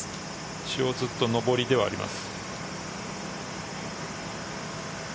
一応ずっと上りではあります。